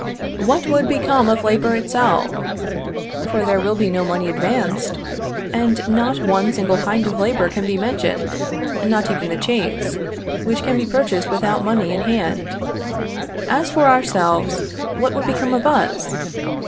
What would become of labor itself? for there will be no money advanced, and not one single kind of labor can be mentioned, not even the chase, which can be pursued without money in hand. And, as for ourselves, what would become of us?